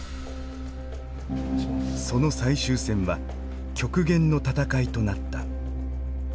その最終戦は極限の戦いとなった。